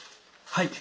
はい。